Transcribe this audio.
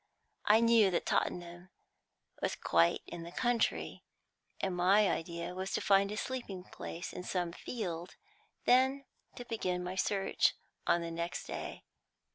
I knew that Tottenham was quite in the country, and my idea was to find a sleeping place in some field, then to begin my search on the next day.